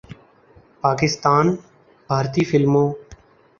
پاکستان، بھارتی فلموں